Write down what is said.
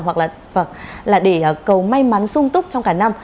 hoặc là để cầu may mắn sung túc trong cả năm